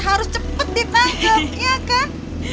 harus cepet ditangkap iya kan